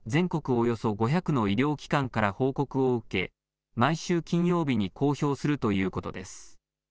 およそ５００の医療機関から報告を受け、毎週金曜日に公表するということです。